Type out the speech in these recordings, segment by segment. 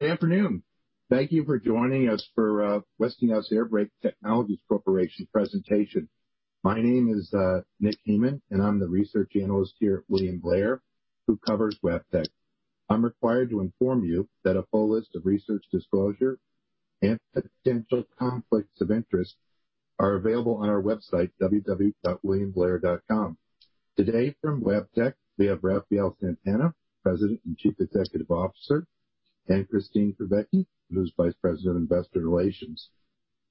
Good afternoon? Thank you for joining us for Westinghouse Air Brake Technologies Corporation presentation. My name is Nick Heymann, and I'm the Research Analyst here at William Blair who covers Wabtec. I'm required to inform you that a full list of research disclosure and potential conflicts of interest are available on our website, www.williamblair.com. Today from Wabtec, we have Rafael Santana, President and Chief Executive Officer, and Kristine Kubacki, who's Vice President of Investor Relations.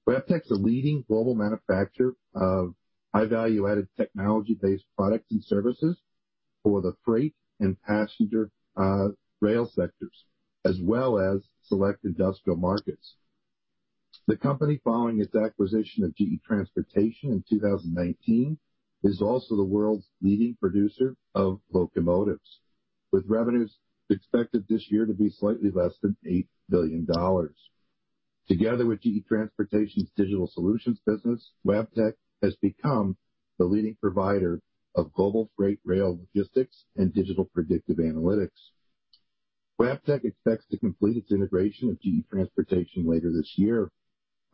Wabtec is a leading global manufacturer of high value added technology based products and services for the freight and passenger rail sectors, as well as select industrial markets. The company, following its acquisition of GE Transportation in 2019, is also the world's leading producer of locomotives, with revenues expected this year to be slightly less than $8 billion. Together with GE Transportation's digital solutions business, Wabtec has become the leading provider of global freight rail logistics and digital predictive analytics. Wabtec expects to complete its integration with GE Transportation later this year.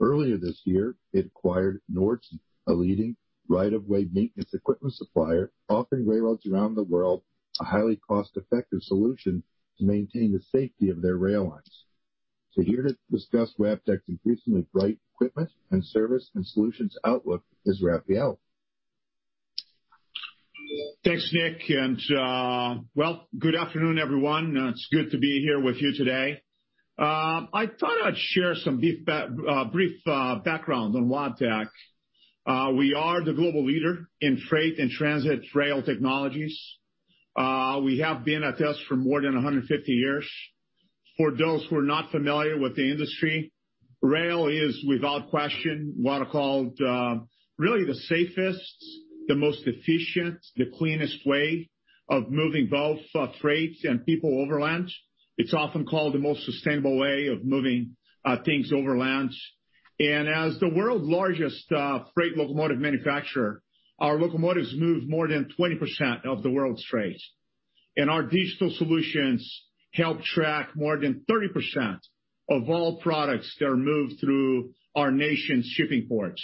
Earlier this year, it acquired Nordco, a leading right-of-way maintenance equipment supplier, offering railroads around the world a highly cost-effective solution to maintain the safety of their rail lines. Here to discuss Wabtec's increasingly bright equipment and service and solutions outlook is Rafael. Thanks, Nick, and well, good afternoon everyone? It's good to be here with you today. I thought I'd share some brief background on Wabtec. We have been in test for more than 150 years. For those who are not familiar with the industry, rail is, without question, what I call really the safest, the most efficient, the cleanest way of moving both freight and people overland. It's often called the most sustainable way of moving things overland. As the world's largest freight locomotive manufacturer, our locomotives move more than 20% of the world's freight, and our digital solutions help track more than 30% of all products that are moved through our nation's shipping ports.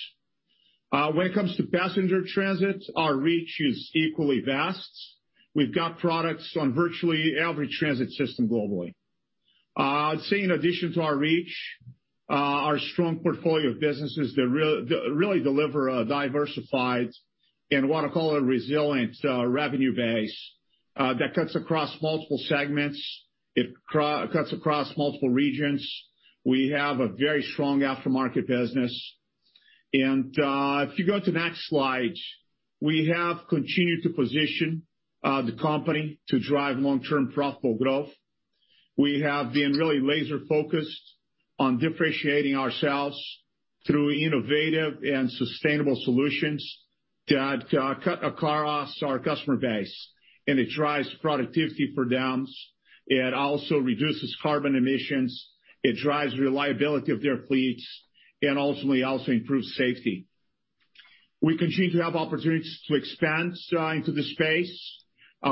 When it comes to passenger transit, our reach is equally vast. We've got products on virtually every transit system globally. I'd say in addition to our reach, our strong portfolio of businesses that really deliver a diversified and what I call a resilient revenue base that cuts across multiple segments. It cuts across multiple regions. We have a very strong aftermarket business. If you go to the next slide, we have continued to position the company to drive long term profitable growth. We have been really laser focused on differentiating ourselves through innovative and sustainable solutions that cut across our customer base, and it drives productivity for them. It also reduces carbon emissions. It drives reliability of their fleets and ultimately also improves safety. We continue to have opportunities to expand into the space.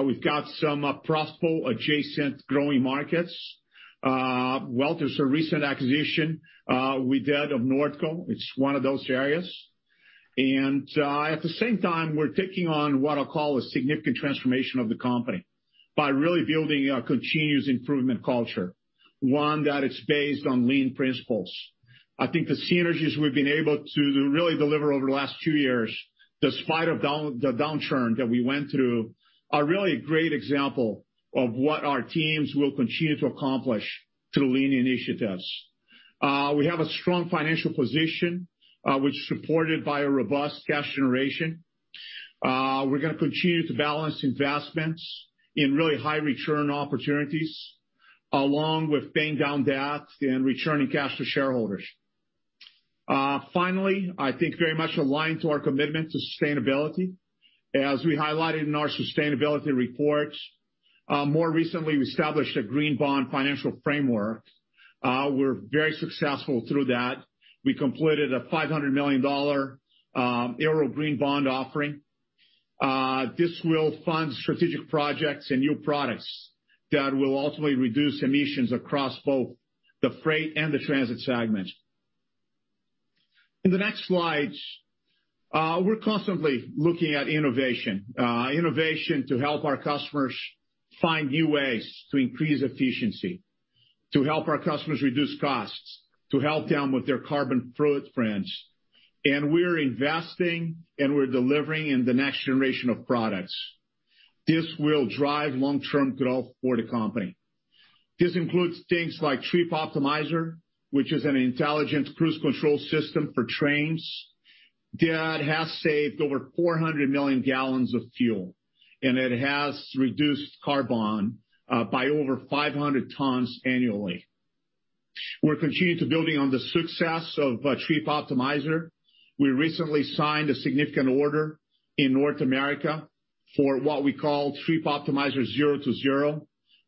We've got some profitable adjacent growing markets. Well, there's a recent acquisition we did of Nordco. It's one of those areas. At the same time, we're taking on what I call a significant transformation of the company by really building a continuous improvement culture, one that is based on lean principles. I think the synergies we've been able to really deliver over the last few years, despite the downturn that we went through, are really a great example of what our teams will continue to accomplish through lean initiatives. We have a strong financial position which is supported by a robust cash generation. We're going to continue to balance investments in really high return opportunities along with paying down debt and returning cash to shareholders. Finally, I think very much aligned to our commitment to sustainability. As we highlighted in our sustainability report, more recently we established a green bond financial framework. We're very successful through that. We completed a $500 million green bond offering. This will fund strategic projects and new products that will ultimately reduce emissions across both the Freight and the transit segment. In the next slide, we're constantly looking at innovation. Innovation to help our customers find new ways to increase efficiency, to help our customers reduce costs, to help them with their carbon footprints. We're investing and we're delivering in the next generation of products. This will drive long term growth for the company. This includes things like Trip Optimizer, which is an intelligent cruise control system for trains that has saved over 400 million gallons of fuel, it has reduced carbon by over 500 tons annually. We're continuing to building on the success of Trip Optimizer. We recently signed a significant order in North America for what we call Trip Optimizer Zero to Zero.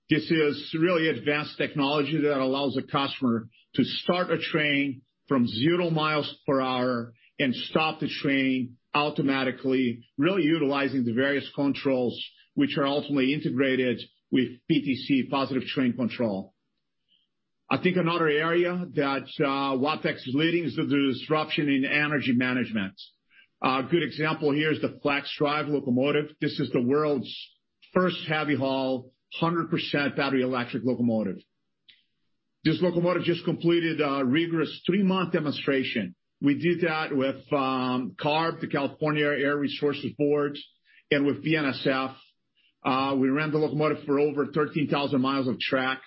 This is really advanced technology that allows a customer to start a train from 0 mph and stop the train automatically, really utilizing the various controls which are ultimately integrated with PTC Positive Train Control. I think another area that Wabtec's leading is the disruption in energy management. A good example here is the FLXdrive locomotive. This is the world's first heavy haul, 100% battery electric locomotive. This locomotive just completed a rigorous three-month demonstration. We did that with CARB, the California Air Resources Board, and with the BNSF. We ran the locomotive for over 13,000 mi of track,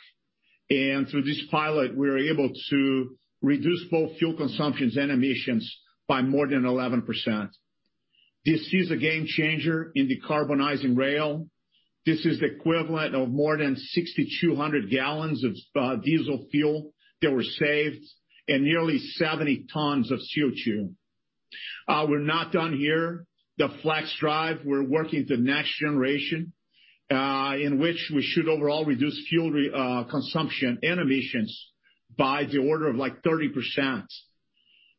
and through this pilot, we were able to reduce both fuel consumptions and emissions by more than 11%. This is a game changer in decarbonizing rail. This is the equivalent of more than 6,200 gallons of diesel fuel that were saved and nearly 70 tons of CO2. We're not done here. The FLXdrive, we're working with the next generation, in which we should overall reduce fuel consumption and emissions by the order of 30%.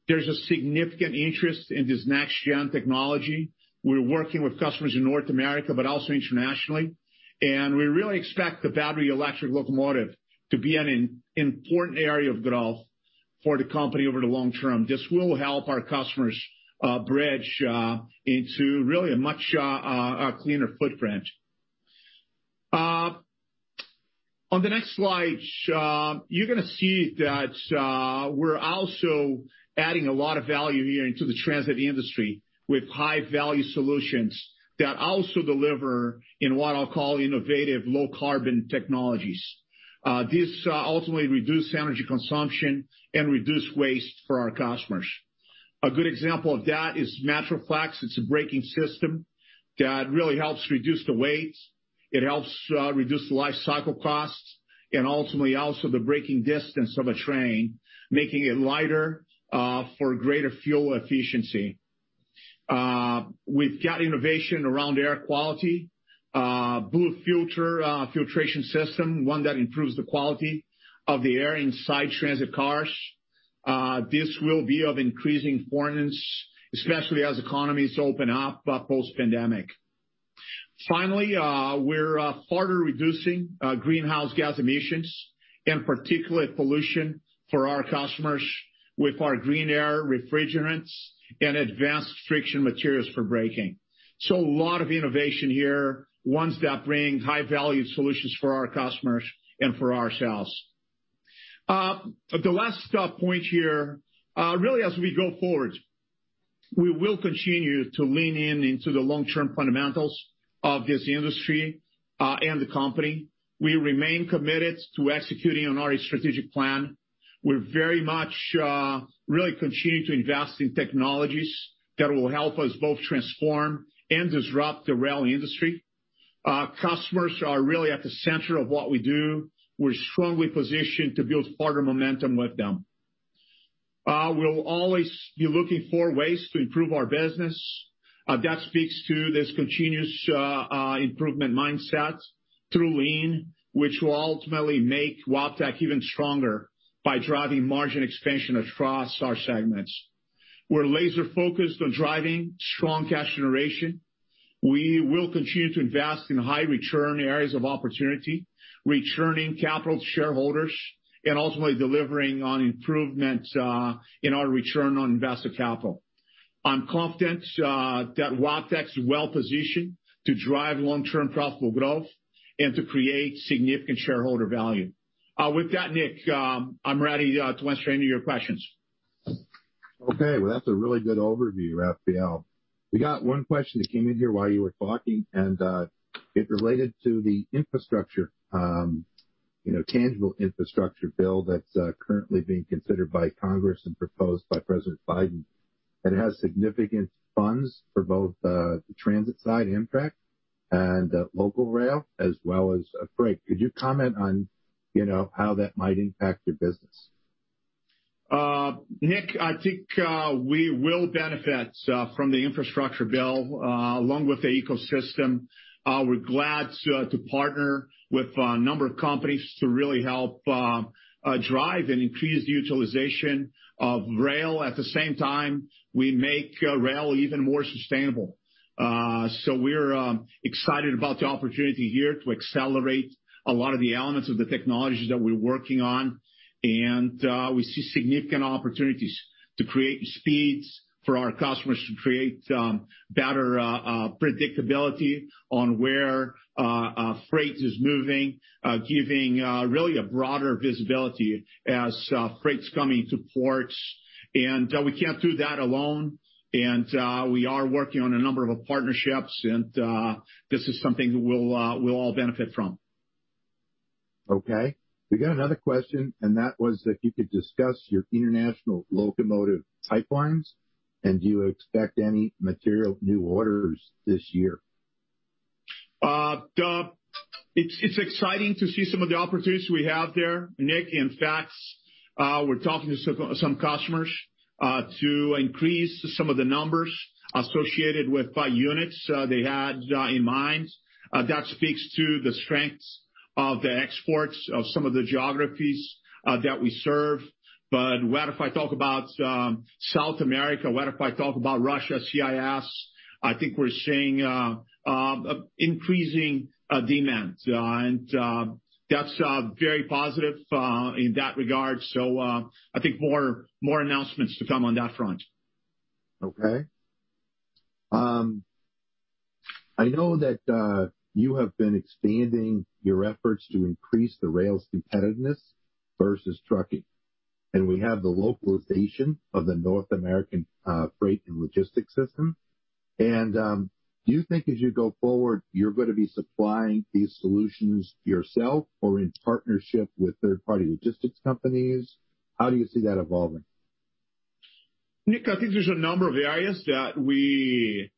There's a significant interest in this next-gen technology. We're working with customers in North America, but also internationally, and we really expect the battery electric locomotive to be an important area of growth for the company over the long term. This will help our customers bridge into really a much cleaner footprint. On the next slide, you're going to see that we're also adding a lot of value here into the transit industry with high-value solutions that also deliver in what I'll call innovative low carbon technologies. These ultimately reduce energy consumption and reduce waste for our customers. A good example of that is Metroflexx. It's a braking system that really helps reduce the weight. It helps reduce the life cycle costs and ultimately also the braking distance of a train, making it lighter, for greater fuel efficiency. We've got innovation around air quality, BlueFilter filtration system, one that improves the quality of the air inside transit cars. This will be of increasing importance, especially as economies open up post-pandemic. Finally, we're further reducing greenhouse gas emissions and particulate pollution for our customers with our Green Air refrigerants and advanced friction materials for braking. A lot of innovation here, ones that bring high value solutions for our customers and for ourselves. The last point here, really as we go forward, we will continue to lean in to the long-term fundamentals of this industry and the company. We remain committed to executing on our strategic plan. We're very much really continuing to invest in technologies that will help us both transform and disrupt the rail industry. Customers are really at the center of what we do. We're strongly positioned to build further momentum with them. We'll always be looking for ways to improve our business. That speaks to this continuous improvement mindset through lean, which will ultimately make Wabtec even stronger by driving margin expansion across our segments. We're laser focused on driving strong cash generation. We will continue to invest in high return areas of opportunity, returning capital to shareholders, and ultimately delivering on improvement in our return on invested capital. I'm confident that Wabtec is well positioned to drive long-term profitable growth and to create significant shareholder value. With that, Nick, I'm ready to answer any of your questions. Okay. Well, that's a really good overview, Rafael. We got one question that came in here while you were talking, and it related to the tangible infrastructure bill that's currently being considered by Congress and proposed by President Biden, and it has significant funds for both the transit side impact and local rail as well as freight. Could you comment on how that might impact your business? Nick, I think we will benefit from the infrastructure bill along with the ecosystem. We're glad to partner with a number of companies to really help drive and increase the utilization of rail. At the same time, we make rail even more sustainable. We're excited about the opportunity here to accelerate a lot of the elements of the technologies that we're working on, and we see significant opportunities to create speeds for our customers to create better predictability on where freight is moving, giving really a broader visibility as freight's coming to ports. We can't do that alone, and we are working on a number of partnerships, and this is something we'll all benefit from. Okay. We got another question, and that was if you could discuss your international locomotive pipelines, and do you expect any material new orders this year? It's exciting to see some of the opportunities we have there, Nick. In fact, we're talking to some customers to increase some of the numbers associated with units they had in mind. That speaks to the strengths of the exports of some of the geographies that we serve. Whether if I talk about South America, whether if I talk about Russia, CIS, I think we're seeing increasing demand, and that's very positive in that regard. I think more announcements to come on that front. Okay. I know that you have been expanding your efforts to increase the rail's competitiveness versus trucking, and we have the localization of the North American freight and logistics system. Do you think as you go forward, you're going to be supplying these solutions yourself or in partnership with third-party logistics companies? How do you see that evolving? Nick, I think there's a number of areas that we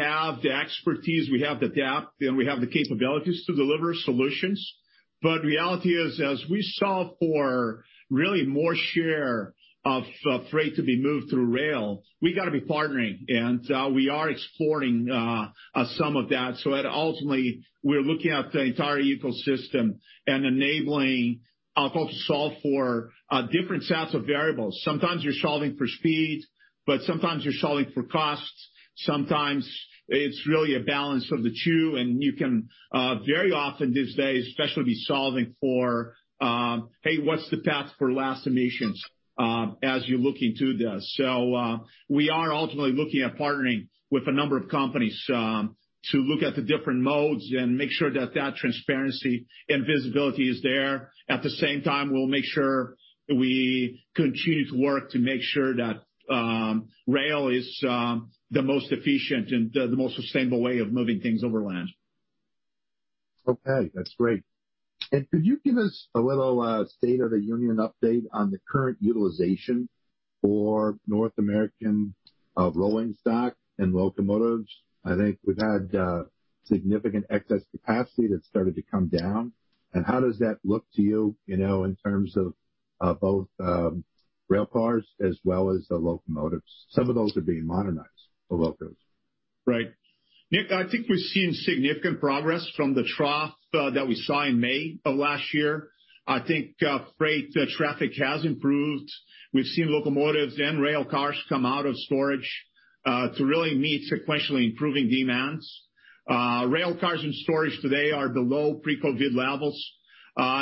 have the expertise, we have the depth, and we have the capabilities to deliver solutions. Reality is, as we solve for really more share of freight to be moved through rail, we got to be partnering, and we are exploring some of that. Ultimately, we're looking at the entire ecosystem and enabling how to solve for different sets of variables. Sometimes you're solving for speed, but sometimes you're solving for costs. Sometimes it's really a balance of the two, and you can very often these days especially be solving for, hey, what's the path for less emissions? as you're looking through this. We are ultimately looking at partnering with a number of companies to look at the different modes and make sure that transparency and visibility is there. At the same time, we'll make sure we continue to work to make sure that rail is the most efficient and the most sustainable way of moving things over land. Okay, that's great. Could you give us a little state of the union update on the current utilization for North American rolling stock and locomotives? I think we've had significant excess capacity that's started to come down. How does that look to you in terms of both rail cars as well as the locomotives? Some of those are being modernized, the locomotives. Right. Nick, I think we've seen significant progress from the trough that we saw in May of last year. I think freight traffic has improved. We've seen locomotives and rail cars come out of storage to really meet sequentially improving demands. Rail cars in storage today are below pre-COVID levels,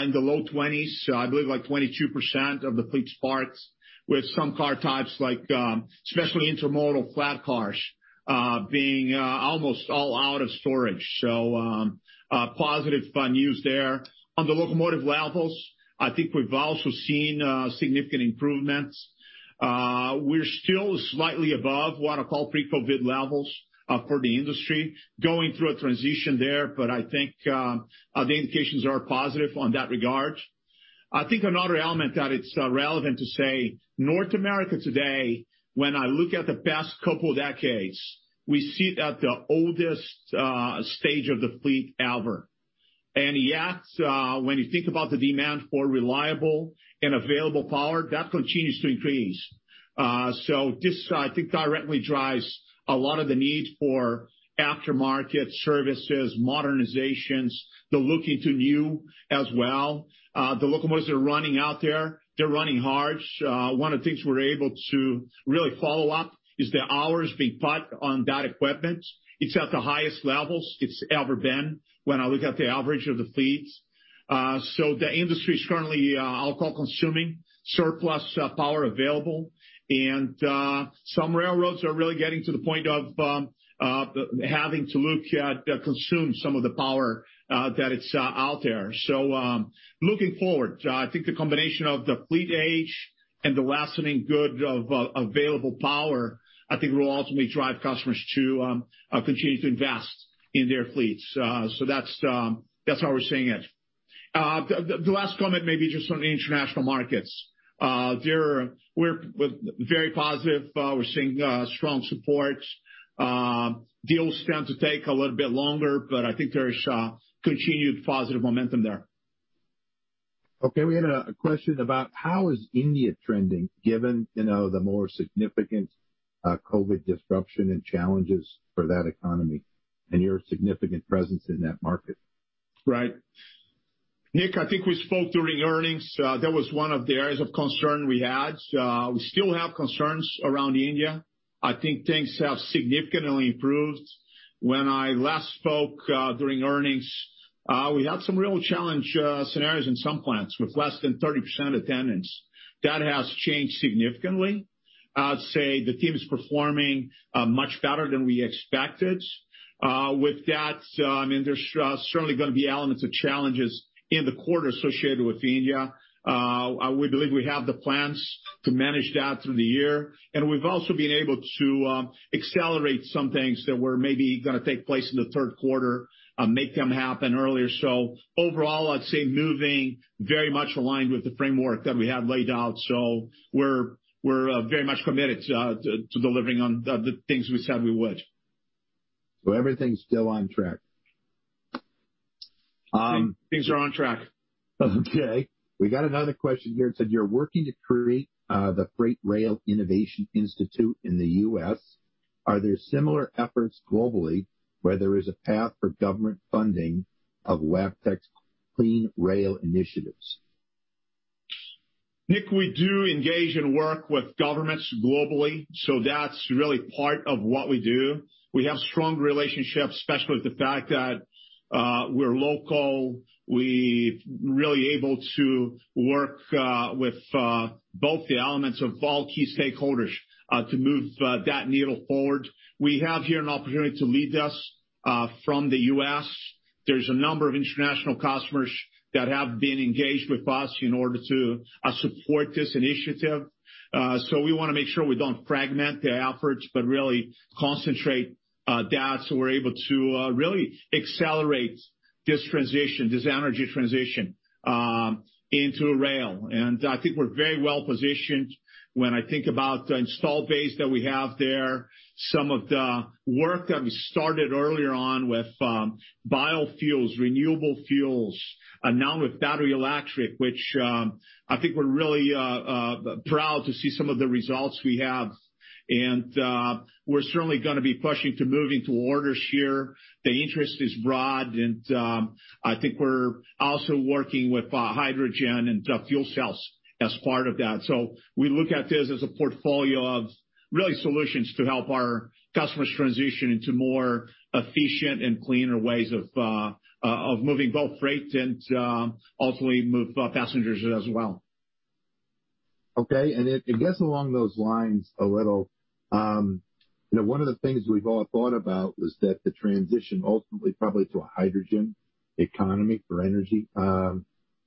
in the low 20s%. I believe like 22% of the fleet's parked, with some car types like especially intermodal flat cars being almost all out of storage. Positive fun news there. On the locomotive levels, I think we've also seen significant improvements. We're still slightly above what I call pre-COVID levels for the industry, going through a transition there, but I think the indications are positive on that regard. I think another element that it's relevant to say, North America today, when I look at the past couple decades, we sit at the oldest stage of the fleet ever. Yet when you think about the demand for reliable and available power, that continues to increase. This I think directly drives a lot of the need for aftermarket services, modernizations, the look into new as well. The locomotives are running out there. They're running hard. One of the things we're able to really follow up is the hours being put on that equipment. It's at the highest levels it's ever been when I look at the average of the fleets. The industry is currently also consuming, surplus power available, and some railroads are really getting to the point of having to look to consume some of the power that is out there. Looking forward, I think the combination of the fleet age and the lasting good of available power, I think will ultimately drive customers to continue to invest in their fleets. That's how we're seeing it. The last comment maybe just on the international markets. We're very positive. We're seeing strong support. Deals tend to take a little bit longer. I think there's continued positive momentum there. Okay. We had a question about how is India trending given the more significant COVID disruption and challenges for that economy and your significant presence in that market? Right. Nick, I think we spoke during earnings. That was one of the areas of concern we had. We still have concerns around India. I think things have significantly improved. When I last spoke during earnings, we had some real challenge scenarios in some plants with less than 30% attendance. That has changed significantly. I'd say the team is performing much better than we expected. With that, there's certainly going to be elements of challenges in the quarter associated with India. We believe we have the plans to manage that through the year, and we've also been able to accelerate some things that were maybe going to take place in the third quarter, make them happen earlier. Overall, I'd say moving very much aligned with the framework that we have laid out. We're very much committed to delivering on the things we said we would. Everything's still on track. Things are on track. Okay. We got another question here. It said, you're working to create the Freight Rail Innovation Institute in the U.S. Are there similar efforts globally where there is a path for government funding of Wabtec's clean rail initiatives? Nick, we do engage and work with Governments globally. That's really part of what we do. We have strong relationships, especially with the fact that we're local. We're really able to work with both the elements of all key stakeholders to move that needle forward. We have here an opportunity to lead this from the U.S. There's a number of international customers that have been engaged with us in order to support this initiative. We want to make sure we don't fragment the efforts but really concentrate that so we're able to really accelerate this transition, this energy transition into rail. I think we're very well positioned when I think about the install base that we have there, some of the work that we started earlier on with biofuels, renewable fuels, and now with battery electric, which I think we're really proud to see some of the results we have. We're certainly going to be pushing to moving to orders here. The interest is broad, and I think we're also working with hydrogen and fuel cells as part of that. We look at this as a portfolio of really solutions to help our customers transition into more efficient and cleaner ways of moving both freight and ultimately move passengers as well. Okay. I guess along those lines a little, one of the things we've all thought about was that the transition ultimately probably to a hydrogen economy for energy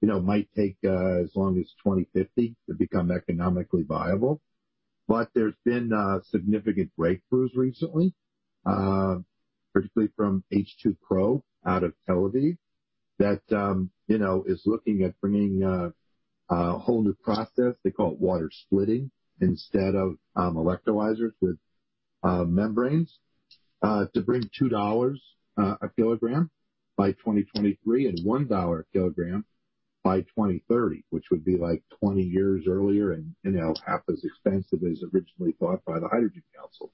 might take as long as 2050 to become economically viable. There's been significant breakthroughs recently, particularly from H2Pro out of Tel Aviv, that is looking at bringing a whole new process, they call it water splitting, instead of electrolyzers with membranes, to bring $2 a kg by 2023 and $1 a kg by 2030, which would be like 20 years earlier and half as expensive as originally thought by the Hydrogen Council.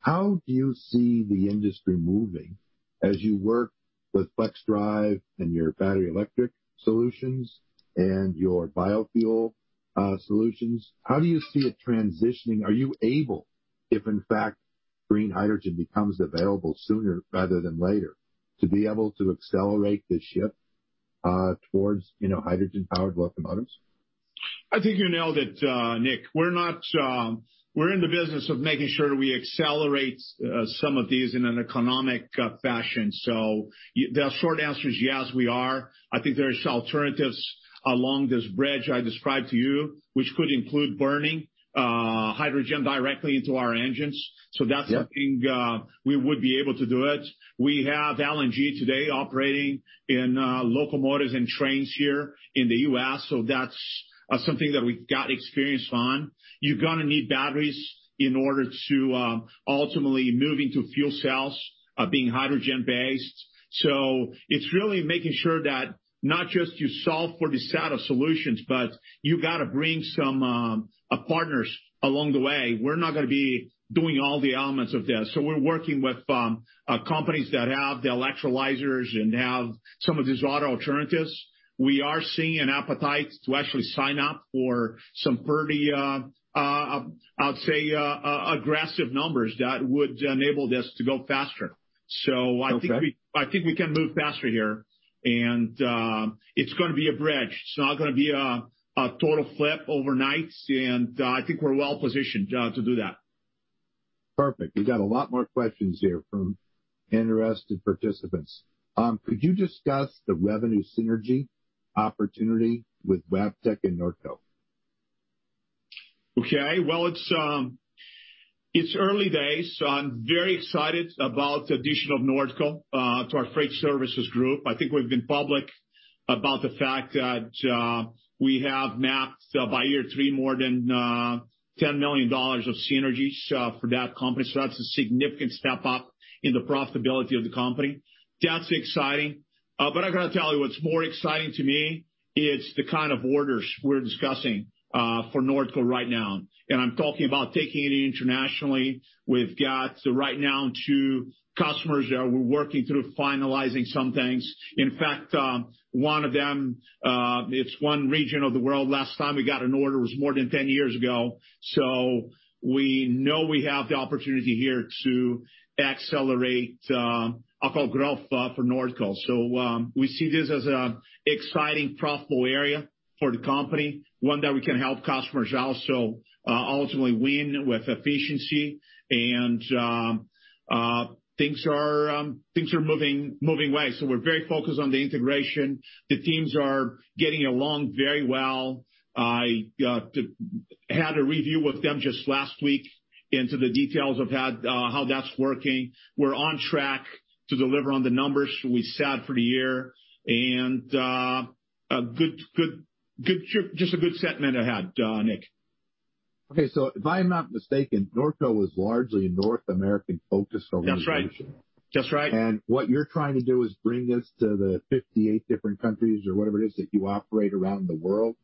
How do you see the industry moving as you work with FLXdrive and your battery electric solutions and your biofuel solutions? How do you see it transitioning? Are you able, if in fact green hydrogen becomes available sooner rather than later, to be able to accelerate the shift towards hydrogen-powered locomotives? I think you nailed it, Nick. We're in the business of making sure we accelerate some of these in an economic fashion. The short answer is yes, we are. I think there's alternatives along this bridge I described to you, which could include burning hydrogen directly into our engines. Yep. That's something we would be able to do it. We have LNG today operating in locomotives and trains here in the U.S., so that's something that we've got experience on. You're going to need batteries in order to ultimately move into fuel cells, being hydrogen-based. It's really making sure that not just you solve for the set of solutions, but you got to bring some partners along the way. We're not going to be doing all the elements of this. We're working with companies that have the electrolyzers and have some of these auto alternatives. We are seeing an appetite to actually sign up for some pretty, I'll say, aggressive numbers that would enable this to go faster. Okay. I think we can move faster here. It's going to be a bridge. It's not going to be a total flip overnight, and I think we're well positioned to do that. Perfect. We've got a lot more questions here from interested participants. Could you discuss the revenue synergy opportunity with Wabtec and Nordco? Okay. Well, it's early days. I'm very excited about the addition of Nordco to our Freight Services group. I think we've been public about the fact that we have mapped by year three more than $10 million of synergies for that company. That's a significant step up in the profitability of the company. That's exciting. I got to tell you what's more exciting to me is the kind of orders we're discussing for Nordco right now, and I'm talking about taking it internationally. We've got right now two customers that we're working through finalizing some things. In fact, one of them, it's one region of the world, last time we got an order was more than 10 years ago. We know we have the opportunity here to accelerate upper growth for Nordco. We see this as an exciting, profitable area for the company, one that we can help customers also ultimately win with efficiency. Things are moving away. We're very focused on the integration. The teams are getting along very well. I had a review with them just last week into the details of how that's working. We're on track to deliver on the numbers we set for the year, and just a good segment ahead, Nick. If I'm not mistaken, Nordco is largely North American focused organization. That's right. What you're trying to do is bring this to the 58 different countries or whatever it is that you operate around the world.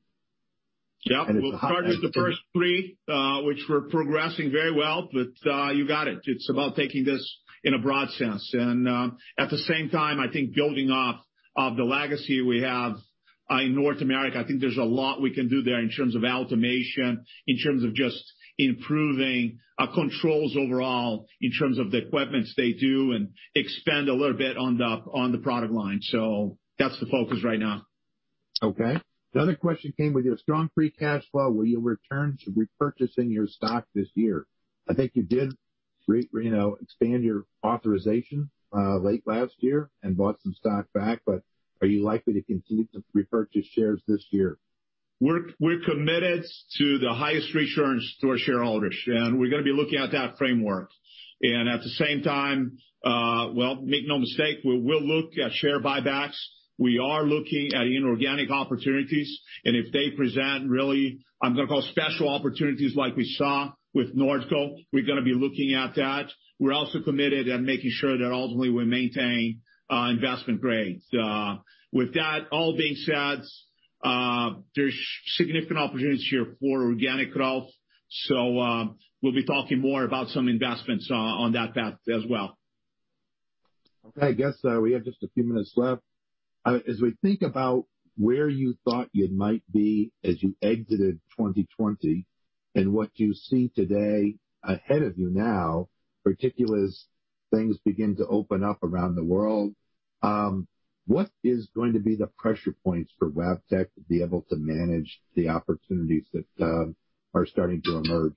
Yeah. We'll start with the first three, which we're progressing very well. You got it. It's about taking this in a broad sense. At the same time, I think building off of the legacy we have in North America, I think there's a lot we can do there in terms of automation, in terms of just improving our controls overall, in terms of the equipment they do, and expand a little bit on the product line. That's the focus right now. The other question came with your strong free cash flow. Will you return to repurchasing your stock this year? I think you did expand your authorization late last year and bought some stock back, but are you likely to continue to repurchase shares this year? We're committed to the highest return to our shareholders, we're going to be looking at that framework. At the same time, well, make no mistake, we will look at share buybacks. We are looking at inorganic opportunities, and if they present really, I'm going to call special opportunities like we saw with Nordco, we're going to be looking at that. We're also committed and making sure that ultimately we maintain investment grade. With that all being said, there's significant opportunities here for organic growth. We'll be talking more about some investments on that path as well. Okay. I guess we have just a few minutes left. As we think about where you thought you might be as you exited 2020 and what you see today ahead of you now, particularly as things begin to open up around the world, what is going to be the pressure points for Wabtec to be able to manage the opportunities that are starting to emerge?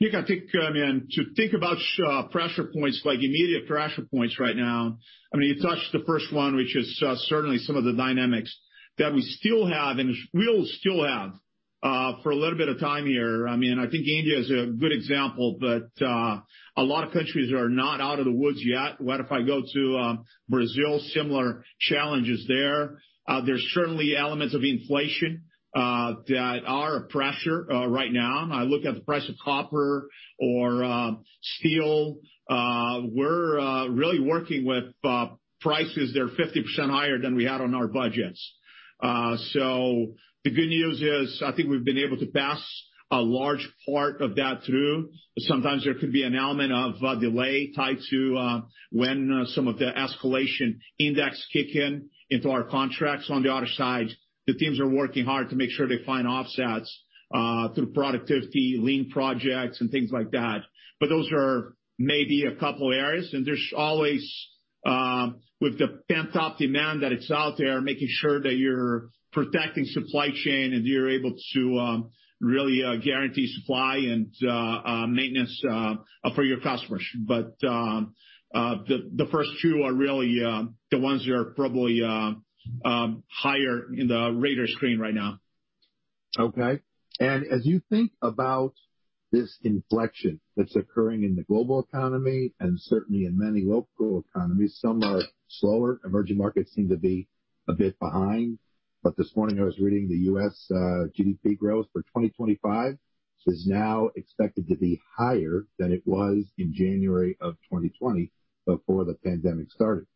Nick, I think to think about pressure points, like immediate pressure points right now, I mean, you touched the first one, which is certainly some of the dynamics that we still have, and we'll still have for a little bit of time here. India is a good example, a lot of countries are not out of the woods yet. What if I go to Brazil? Similar challenges there. There's certainly elements of inflation that are a pressure right now. I look at the price of copper or steel. We're really working with prices that are 50% higher than we had on our budgets. The good news is I think we've been able to pass a large part of that through. Sometimes there could be an element of a delay tied to when some of the escalation index kick in into our contracts. On the other side, the teams are working hard to make sure they find offsets through productivity, lean projects, and things like that. Those are maybe a couple areas, and there's always, with the pent-up demand that's out there, making sure that you're protecting supply chain and you're able to really guarantee supply and maintenance for your customers. The first two are really the ones that are probably higher in the radar screen right now. Okay. As you think about this inflection that's occurring in the global economy and certainly in many local economies, some are slower. Emerging markets seem to be a bit behind. This morning I was reading the U.S. GDP growth for 2025 is now expected to be higher than it was in January of 2020 before the pandemic started.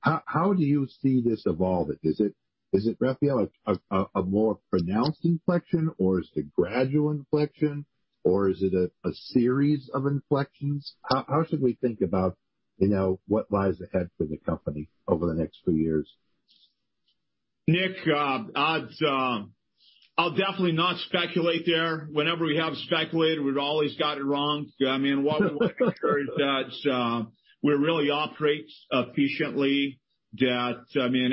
How do you see this evolving? Is it, Rafael, a more pronounced inflection, or is it gradual inflection, or is it a series of inflections? How should we think about what lies ahead for the company over the next few years? Nick, I'll definitely not speculate there. Whenever we have speculated, we've always got it wrong. I mean, one thing for sure is that we really operate efficiently, that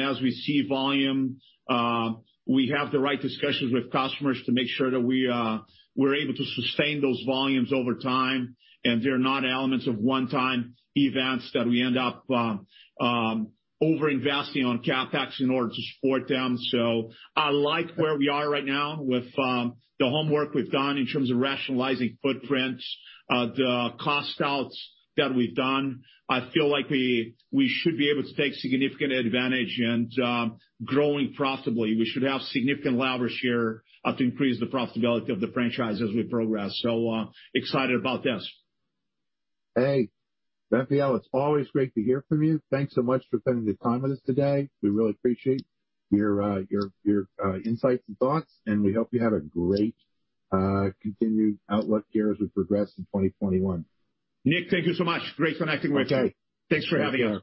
as we see volume, we have the right discussions with customers to make sure that we're able to sustain those volumes over time, and they're not elements of one-time events that we end up over-investing on CapEx in order to support them. I like where we are right now with the homework we've done in terms of rationalizing footprints, the cost outs that we've done. I feel like we should be able to take significant advantage and growing profitably. We should have significant leverage here to increase the profitability of the franchise as we progress. Excited about this. Hey, Rafael, it's always great to hear from you. Thanks so much for spending the time with us today. We really appreciate your insights and thoughts, and we hope you have a great continued outlook here as we progress in 2021. Nick, thank you so much. Great connecting with you. Thanks for having me on.